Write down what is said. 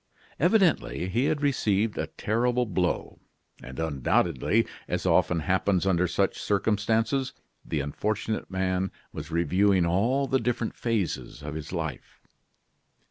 Evidently he had received a terrible blow; and undoubtedly, as often happens under such circumstances, the unfortunate man was reviewing all the different phases of his life.